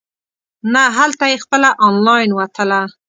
نه هلته یې خپله انلاین وتله.